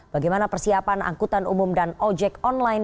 bagaimana persiapan angkutan umum dan ojek online